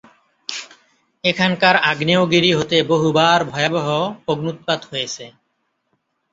এখানকার আগ্নেয়গিরি হতে বহুবার ভয়াবহ অগ্ন্যুৎপাত হয়েছে।